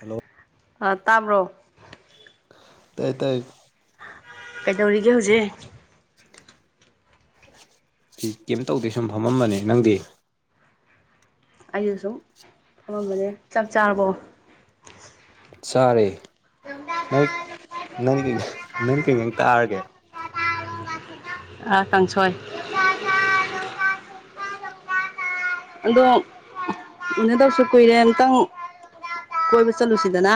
hello ꯑꯥ ꯇꯥꯕ꯭ꯔꯣ ꯇꯥꯏ ꯇꯥꯏ ꯀꯩꯗꯧꯔꯤꯒꯦ ꯍꯧꯖꯤꯛ ꯀꯩꯝ ꯇꯧꯗꯦ ꯁꯨꯝ ꯐꯝꯃꯝꯕꯅꯦ ꯅꯪꯗꯤ ꯑꯩꯁꯨ ꯁꯨꯝ ꯐꯝꯃꯝꯕꯅꯦ ꯆꯥꯛ ꯆꯥꯔꯕꯣ ꯆꯥꯔꯦ ꯅꯪ ꯅꯪ ꯅꯪ ꯅꯪꯗꯤ ꯀꯩ ꯌꯦꯟꯁꯥꯡ ꯆꯥꯔꯒꯦ ꯑ ꯀꯥꯡꯁꯣꯏ ꯑꯗꯣ ꯎꯅꯗꯕꯁꯨ ꯀꯨꯏꯔꯦ ꯑꯝꯇꯪ ꯀꯣꯏꯕ ꯆꯠꯂꯨꯁꯤꯗꯅ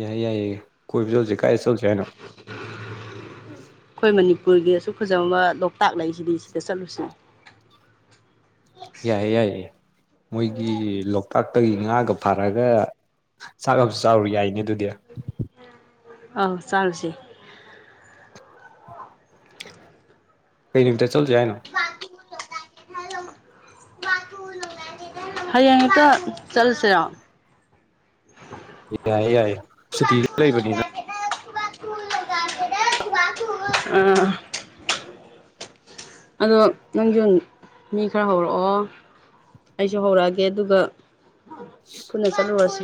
ꯌꯥꯏꯌꯦ ꯌꯥꯏꯌꯦ ꯀꯣꯏꯕ ꯆꯠꯂꯨꯁꯦ ꯀꯥꯏꯗ ꯆꯠꯂꯨꯁꯦ ꯍꯥꯏꯅꯣ ꯑꯩꯈꯣꯏ ꯃꯅꯤꯄꯨꯔꯒꯤ ꯑꯁꯨꯛ ꯐꯖꯔꯑ ꯂꯣꯛꯇꯥꯛ ꯂꯩꯁꯤꯗꯤ ꯁꯤꯗ ꯆꯠꯂꯨꯁꯤ ꯌꯥꯏꯌꯦ ꯌꯥꯏꯌꯦ ꯃꯣꯏꯒꯤ ꯂꯣꯛꯇꯥꯛꯇꯒꯤ ꯉꯥꯒ ꯐꯥꯔꯒ ꯆꯥꯛ ꯑꯃ ꯆꯥꯔꯨ ꯌꯥꯏꯅꯦ ꯑꯗꯨꯗꯤ ꯑꯥꯎ ꯆꯥꯔꯨꯁꯦ ꯀꯩ ꯅꯨꯃꯤꯠꯇ ꯆꯠꯂꯨꯁꯤ ꯍꯥꯏꯅꯣ ꯍꯌꯦꯡ ꯍꯦꯛꯇ ꯆꯠꯂꯁꯤꯔꯣ ꯌꯥꯏꯌꯦ ꯌꯥꯏꯌꯦ ꯁꯨꯇꯤꯁꯨ ꯂꯩꯕꯅꯤꯅ ꯎꯝ ꯑꯗꯣ ꯅꯪꯁꯨ ꯃꯤ ꯈꯔ ꯍꯧꯔꯛꯑꯣ ꯑꯩꯁꯨ ꯍꯧꯔꯛꯑꯒꯦ ꯑꯗꯨꯒ ꯄꯨꯟꯅ ꯆꯠꯂꯨꯔꯁꯤ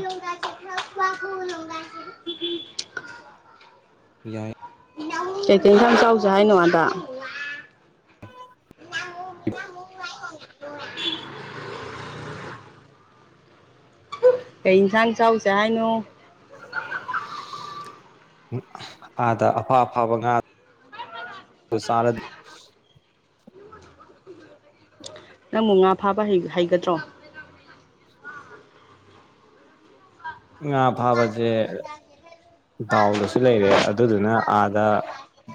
ꯌꯥꯏ ꯀꯩꯀꯩ ꯏꯟꯁꯥꯡ ꯆꯥꯎꯁꯦ ꯍꯥꯏꯅꯣ ꯑꯗ [inaudible] ꯄ [inaudible] ꯀꯩ ꯌꯦꯟꯁꯥꯡ ꯆꯥꯎꯁꯦ ꯍꯥꯏꯅꯣ ꯑꯥꯗ ꯑꯐ ꯑꯐꯥꯕ ꯉꯥ ꯆꯥꯔꯗꯤ ꯅꯪꯕꯨ ꯉꯥ ꯐꯥꯕ ꯍꯩꯒꯗ꯭ꯔꯣ ꯉꯥ ꯐꯥꯕꯁꯦ ꯗꯥꯎꯗꯁꯨ ꯂꯩꯔꯦ ꯑꯗꯨꯗꯨꯅ ꯑꯥꯗ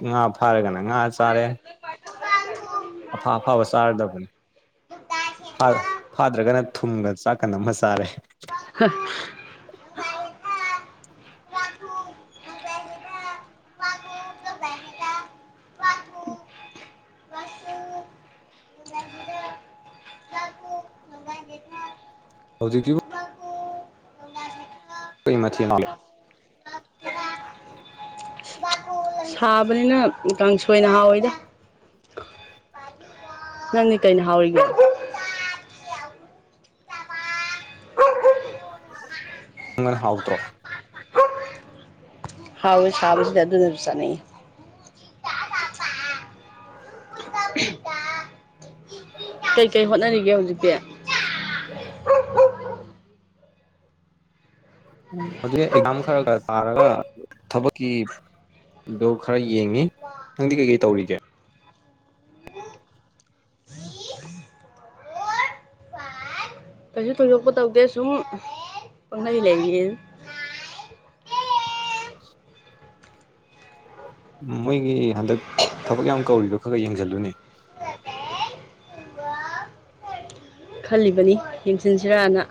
ꯉꯥ ꯐꯥꯔꯒꯅ ꯉꯥ ꯆꯥꯔꯦ ꯄ [inaudible] ꯑꯐꯥ ꯑꯐꯥꯕ ꯆꯥꯔꯗꯕꯅꯤ ꯐꯥꯗ꯭ꯔꯒꯅ ꯊꯨꯝꯒ ꯆꯥꯛꯀ ꯅꯥꯝꯃꯥ ꯆꯥꯔꯦ ꯍ [inaudible] ꯍꯧꯖꯤꯛꯁꯤꯕꯨ ꯀꯩ ꯃꯥꯊꯦꯜꯅꯣ ꯁꯥꯕꯅꯤꯅ ꯀꯥꯡꯁꯣꯏꯅ ꯍꯥꯎꯋꯤꯗ ꯅꯪꯗꯤ ꯀꯩꯅ ꯍꯥꯎꯔꯤꯒꯦ [unintelligible] ꯍꯧꯇ꯭ꯔꯣ ꯍꯥꯎꯋꯤ ꯁꯕꯥꯁꯤꯗ ꯑꯗꯨꯗꯨꯅ ꯆꯥꯅꯤꯡꯉꯤ ꯀꯩ ꯀꯩ ꯍꯣꯠꯅꯔꯤꯒꯦ ꯍꯧꯖꯤꯛꯇꯤ ꯎꯝ ꯍꯧꯖꯤꯛ ꯑꯦꯛꯖꯥꯝ ꯈꯔ ꯈꯔ ꯇꯥꯔꯒ ꯊꯕꯛꯀꯤ ꯑꯗꯣ ꯈꯔ ꯌꯦꯡꯉꯤ ꯈꯪꯗꯤ ꯀꯩꯀꯩ ꯇꯧꯔꯤꯒꯦ ꯀꯩꯁꯨ ꯊꯣꯏꯗꯣꯛꯄ ꯇꯧꯗꯦ ꯁꯨꯝ ꯄꯪꯂꯩ ꯂꯩꯔꯤ ꯃꯣꯏꯒꯤ ꯍꯟꯗꯛ ꯊꯕꯛ ꯌꯥꯝ ꯀꯧꯔꯤꯗꯣ ꯈꯔ ꯈꯔ ꯌꯦꯡꯁꯤꯜꯂꯨꯅꯦ ꯈꯜꯂꯤꯕꯅꯤ ꯌꯦꯡꯁꯤꯟꯁꯤꯔꯅ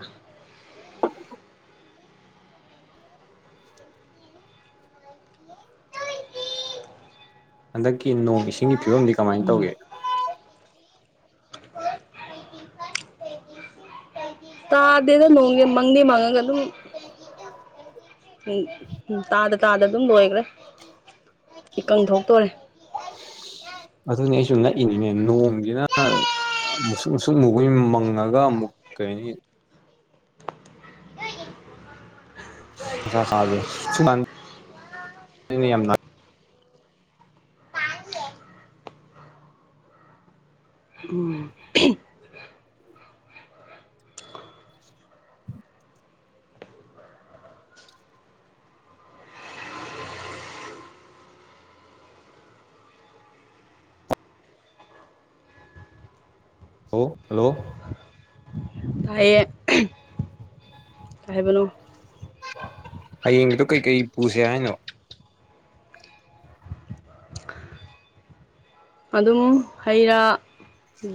ꯍꯟꯗꯛꯀꯤ ꯅꯣꯡ ꯏꯁꯤꯡꯒꯤ ꯐꯤꯕꯝꯗꯤ ꯀꯃꯥꯏꯅ ꯎꯝ ꯇꯧꯒꯦ ꯇꯥꯗꯦꯗ ꯅꯣꯡꯁꯦ ꯃꯪꯗꯤ ꯃꯪꯉꯒ ꯑꯗꯨꯝ ꯎꯝ ꯎꯝ ꯇꯥꯗ ꯇꯥꯗ ꯑꯗꯨꯝ ꯂꯣꯏꯈ꯭ꯔꯦ ꯏꯀꯪ ꯊꯣꯛꯇꯣꯔꯦ ꯑꯗꯨꯅꯦ ꯑꯩꯁꯨ ꯉꯛꯏꯅꯤꯅꯦ ꯅꯣꯡꯁꯤꯅ ꯃꯨꯁꯨꯛ ꯃꯨꯁꯨꯛ ꯃꯨꯕꯩ ꯃꯪꯉꯒ ꯑꯃꯨꯛ ꯀꯩ ꯍꯥꯢꯅꯤ ꯅꯨꯡꯁꯥ ꯁꯕꯥꯁꯤ [unintelligible] [unintelligible] ꯎꯝ [inaudible] ꯍꯜꯂꯣ ꯍꯜꯂꯣ ꯇꯥꯢꯌꯦ ꯀꯩ ꯍꯥꯏꯕꯅꯣ ꯍꯌꯦꯡꯒꯤꯗꯣ ꯀꯩꯀꯩ ꯄꯨꯁꯦ ꯍꯥꯏꯅꯣ ꯑꯗꯨꯝ ꯍꯩ ꯔꯥ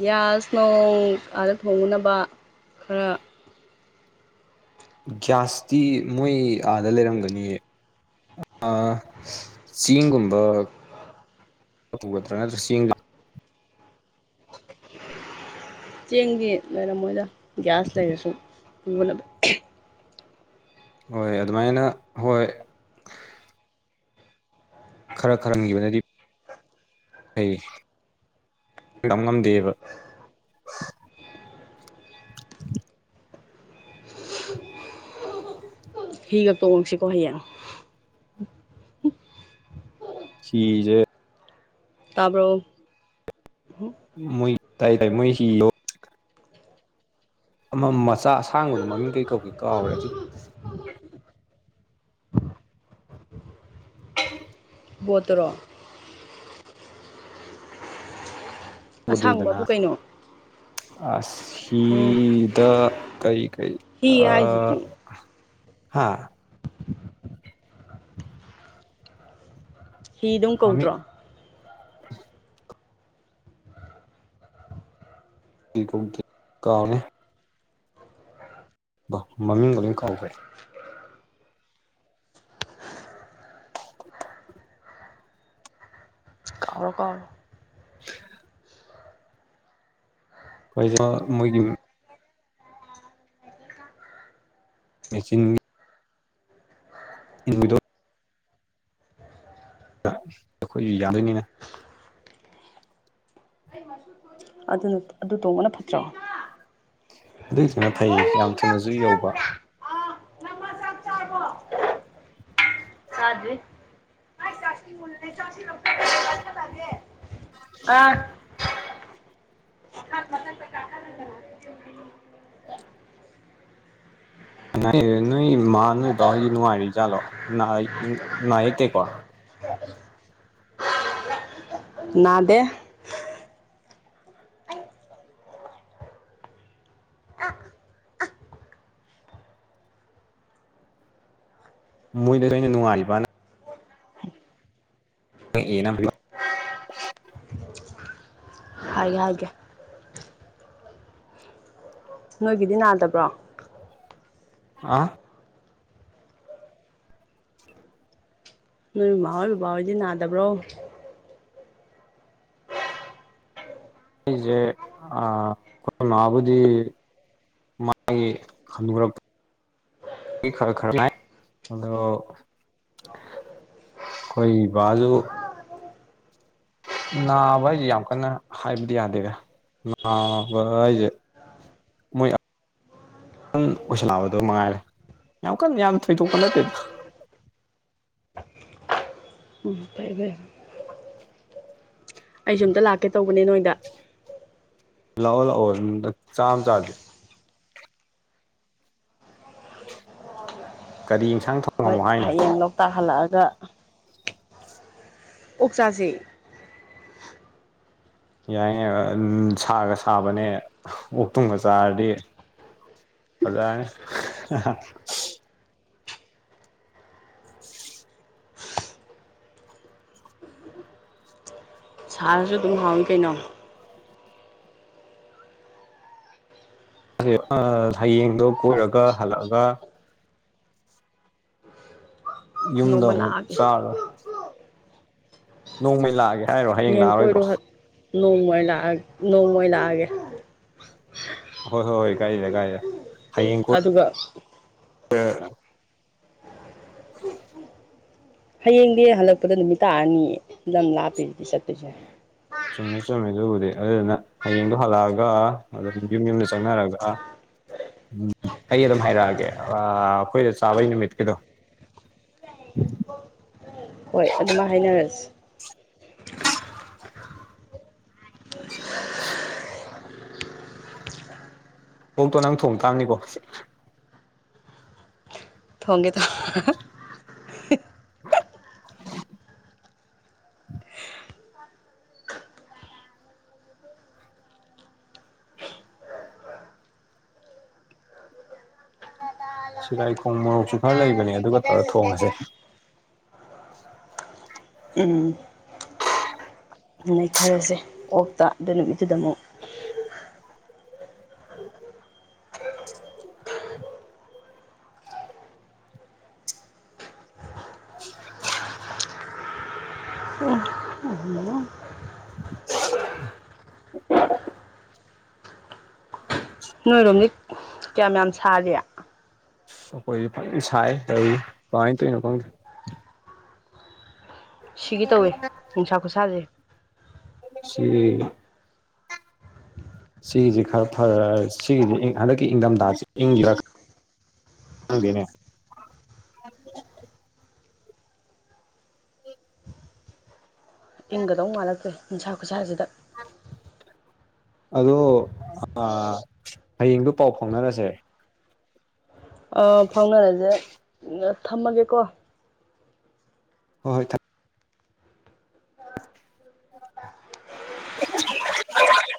ꯒ꯭ꯌꯥꯁ ꯅꯣꯡ ꯑꯥꯗ ꯊꯣꯡꯉꯨꯅꯕ ꯈꯔ ꯒ꯭ꯌꯥꯁꯇꯤ ꯃꯣꯏ ꯑꯥꯗ ꯂꯩꯔꯝꯒꯅꯤꯌꯦ ꯆꯦꯡꯒꯨꯝꯕ ꯄꯨꯒꯗ꯭ꯔꯥ ꯅꯠꯇ꯭ꯔꯥ ꯆꯦꯡꯒ ꯆꯦꯡꯗꯤ ꯂꯩꯔꯝꯃꯣꯏꯗ ꯒ꯭ꯌꯥꯁ ꯂꯩꯔꯁꯨ ꯄꯨꯕꯅ ꯍꯣꯏ ꯑꯗꯨꯃꯥꯏꯅ ꯍꯣꯏ ꯈꯔ ꯈꯔ ꯍꯟꯈꯤꯕꯅꯗꯤ ꯐꯩ ꯇꯝ ꯉꯝꯗꯦꯕ ꯍꯤꯒ ꯇꯣꯡꯁꯤꯀꯣ ꯍꯌꯦꯡ ꯍꯤꯖꯦ ꯇꯥꯕ꯭ꯔꯣ ꯃꯣꯏ ꯇꯥꯏ ꯇꯥꯏ ꯃꯣꯏ ꯍꯤꯗꯣ ꯑꯃ ꯃꯆꯥ ꯑꯁꯥꯡꯕꯗꯣ ꯃꯃꯤꯡ ꯀꯩ ꯀꯧꯀꯦ ꯀꯥꯎꯈ꯭ꯔꯦ ꯑꯗꯨ [inaudible] ꯄꯣꯠꯇꯨꯔꯣ ꯇꯧꯕꯗꯨꯗꯅ ꯑꯁꯥꯡꯕꯕꯨ ꯀꯩꯅꯣ ꯑꯁ ꯎꯝ ꯍꯤꯗ ꯀꯩ ꯀꯩ ꯍꯤ ꯍꯥꯏꯖꯇꯤ ꯍꯥꯥ ꯍꯤ ꯑꯗꯨꯝ ꯃꯃꯤꯡ ꯀꯧꯗ꯭ꯔꯣ ꯍꯤ ꯀꯧꯗꯦ ꯀꯧꯔꯦ ꯃꯃꯤꯡꯒ ꯂꯣꯏ ꯀꯥꯎꯈ꯭ꯔꯦ ꯀꯥꯎꯔꯦ ꯀꯥꯎꯔꯦ [inaudible] [unintelligible] ꯃꯣꯏꯒꯤ ꯃꯤꯡ ꯃꯦꯆꯤꯟ ꯎꯗꯣ [unintelligible] ꯑꯩꯈꯣꯏꯁꯨ ꯌꯥꯗꯣꯏꯅꯤꯅ [unintelligible] ꯑꯗꯨꯅ ꯑꯗꯨ ꯇꯣꯡꯕꯅ ꯐꯠꯇ꯭ꯔꯣ ꯑꯗꯨꯏꯗꯨꯅ ꯐꯩꯌꯦ ꯌꯥꯝ ꯊꯨꯅꯁꯨ ꯌꯧꯕ ꯆꯥꯛ ꯆꯥꯔꯕꯣ [inaudible] ꯑꯥ ꯍ ꯃꯊ ꯄ ꯀꯥ [unintelligible] ꯅꯣꯏ ꯏꯃꯥ ꯅꯣꯏꯗꯥꯎ ꯅꯨꯡꯉꯥꯢꯖꯠꯂꯣ ꯅꯨꯡꯉꯥꯏꯔꯤ ꯖꯥꯠꯂꯣ ꯅꯥ ꯅꯥ ꯌꯦꯛꯇꯦꯀꯣ ꯎ [inaudible] ꯅꯥꯗꯦ ꯃꯣꯏꯗ ꯑꯩꯅ ꯅꯨꯡꯉꯥꯏꯔꯤꯕ ꯅ [unintelligible] ꯑꯩ ꯍꯥꯏꯒꯦ ꯅꯣꯏꯒꯤꯗꯤ ꯅꯥꯗꯕ꯭ꯔꯣ ꯍꯥ ꯅꯣꯏ ꯃꯃꯥ ꯍꯣꯏ ꯕꯕꯥ ꯍꯣꯏꯗꯤ ꯅꯥꯗꯕ꯭ꯔꯣ ꯑꯩꯈꯣꯢꯁꯦ ꯑ ꯑꯩꯈꯣꯏ ꯃꯥꯕꯨꯗꯤ ꯃꯥꯒꯤ ꯍꯥꯟꯅꯨꯔꯛ ꯈꯔ ꯈꯔ ꯅꯥꯢ ꯑꯗꯣ ꯈꯣꯏ ꯕꯥꯖꯨ ꯅꯥꯕ ꯍꯥꯏꯖꯦ ꯌꯥꯝ ꯀꯟꯅ ꯍꯥꯏꯕꯗꯤ ꯌꯥꯗꯦꯗ ꯅꯥꯕ ꯍꯥꯏꯖꯦ ꯃꯣꯏ ꯁꯨꯝ ꯑꯣꯏꯁꯜꯂꯛꯑꯕꯗꯣ ꯃꯉꯥꯏꯔꯦ ꯌꯥꯝ ꯀꯟꯅ ꯌꯥꯝ ꯊꯣꯏꯗꯣꯛꯄ ꯅꯠꯇꯦꯗ ꯎꯝ ꯐꯩ ꯐꯩ ꯑꯩꯁꯨ ꯑꯝꯇ ꯂꯥꯛꯀꯦ ꯇꯧꯕꯅꯦ ꯅꯣꯏꯗ ꯂꯥꯛꯑꯣ ꯂꯥꯛꯑꯣ ꯆꯥꯛ ꯑꯝ ꯆꯥꯖꯦ ꯀꯔꯤ ꯌꯟꯁꯥꯡ ꯊꯣꯛ ꯍꯣꯏ ꯍꯌꯦꯡ ꯂꯣꯛꯇꯥꯛ ꯍꯜꯂꯛꯑꯒ ꯑꯣꯛ ꯆꯥꯥꯖꯦ ꯌꯥꯏ [unintelligible] ꯎꯝ ꯁꯥꯒ ꯁꯥꯕꯅꯦ ꯑꯣꯛ ꯇꯨꯝꯒ ꯆꯥꯔꯗꯤ ꯑꯗꯥꯏꯅ ꯁꯥꯔꯁꯨ ꯑꯗꯨꯝ ꯍꯥꯎꯏ ꯀꯩꯅꯣ ꯑꯥ ꯍꯌꯦꯡꯗꯣ ꯀꯣꯏꯔꯒ ꯍꯜꯂꯛꯑꯦ ꯌꯨꯝꯗ ꯅꯣꯡꯃ ꯑꯃꯨꯛ ꯂꯥꯛꯑꯒꯦ ꯆꯕꯥ ꯅꯣꯡꯃꯥꯒꯤ ꯑꯥꯛꯑꯒꯦ ꯍꯌꯦꯡ ꯀꯣꯏꯔꯣ ꯅꯣꯡꯃ ꯑꯣꯢꯅ ꯅꯣꯡꯃ ꯂꯥꯛꯑꯒꯦ ꯍꯣꯏ ꯍꯣꯏ ꯍꯣꯏ ꯀꯥꯏꯗꯦꯗ ꯀꯥꯏꯗꯦꯗ ꯍꯌꯦꯡ ꯀꯣꯏ ꯑꯗꯨꯒ [unintelligible] ꯍꯥꯌꯦꯡꯗꯤ ꯍꯜꯂꯛꯄꯗ ꯅꯨꯃꯤꯠ ꯇꯥꯔꯅꯤ ꯂꯝ ꯂꯥꯞꯄꯤ ꯆꯠꯇꯣꯏꯁꯦ ꯆꯨꯝꯃꯦ ꯆꯨꯝꯃꯦ ꯑꯗꯨꯕꯨꯗꯤ ꯑꯗꯨꯗꯨꯅ ꯍꯌꯦꯡꯗꯣ ꯍꯜꯂꯛꯑꯒ ꯑꯗꯨꯝ ꯌꯨꯝ ꯌꯨꯝꯗ ꯆꯪꯅꯔꯒ ꯎꯝ ꯑꯩ ꯑꯗꯨꯝ ꯍꯥꯏꯔꯛꯑꯒꯦ ꯑꯩꯈꯣꯏꯗ ꯆꯥꯕꯩ ꯅꯨꯃꯤꯠꯀꯤꯗꯣ ꯌꯥ [inaudible] ꯍꯣꯏ ꯑꯗꯨꯃꯥꯏ ꯍꯥꯏꯅꯔꯁꯤ ꯑꯣꯛꯇꯣ ꯅꯪ ꯊꯣꯡ ꯇꯥꯕꯅꯤꯀꯣ ꯊꯣꯡꯒꯦ ꯊꯣꯡꯒꯦ [inaudible] ꯁꯤꯔꯥꯏꯈꯣꯡ ꯃꯣꯔꯣꯛꯁꯨ ꯈꯔ ꯂꯩꯕꯅꯦ ꯑꯗꯨꯒ ꯇꯧꯔ ꯊꯣꯡꯉꯁꯦ ꯎꯝ ꯅꯩꯊꯔꯁꯦ ꯑꯣꯛꯇ ꯑꯗꯨ ꯅꯨꯃꯤꯠꯇꯨꯗ ꯑꯃꯨꯛ ꯑ [inaudible] [unintelligible] [inaudible] [inaudible] ꯅꯣꯏꯔꯣꯝꯗꯤ ꯀꯌꯥꯝ ꯌꯥꯝ ꯁꯥꯔꯤ ꯑꯈꯣꯏꯗꯤ ꯐꯖꯅ ꯁꯥꯏ ꯇꯧꯏꯔꯁꯤ ꯀꯃꯥꯏꯅ ꯇꯧꯔꯤꯅꯣ ꯈꯪꯗꯦ ꯁꯤꯒꯤ ꯇꯧꯋꯤ ꯅꯨꯡꯁꯥ ꯈꯨꯁꯥꯁꯦ ꯁꯤꯗꯤ ꯁꯤꯒꯤꯁꯤ ꯈꯔ ꯐꯔ ꯁꯤꯒꯤꯁꯤ ꯍꯟꯗꯛꯀꯤ ꯏꯪꯊꯝꯊꯥꯁꯤ ꯏꯪ ꯈꯪꯗꯦꯅꯦ ꯏꯪꯒꯗꯧ ꯃꯥꯜꯂꯛꯇ꯭ꯔꯦ ꯅꯨꯡꯁꯥ ꯈꯨꯠꯁꯥꯁꯤꯗ ꯑꯗꯣ ꯑꯥ ꯍꯌꯦꯡꯗꯣ ꯄꯥꯎ ꯐꯥꯎꯅꯔꯁꯦ ꯑꯥ ꯐꯥꯎꯅꯔꯁꯦ ꯊꯝꯃꯒꯦꯀꯣ ꯍꯣꯏ ꯍꯣꯢ ꯊꯝ [inaudible]